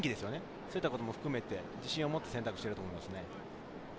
そういったものも含めて、自信を持って選択している。